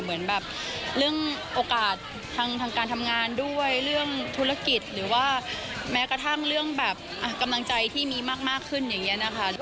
เหมือนแบบเรื่องโอกาสทางการทำงานด้วยเรื่องธุรกิจหรือว่าแม้กระทั่งเรื่องแบบกำลังใจที่มีมากขึ้นอย่างนี้นะคะ